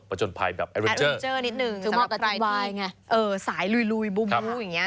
ส่วนภายแบบแอร์เจอร์นิดหนึ่งส่วนภายที่สายลุยบูบูอย่างเงี้ย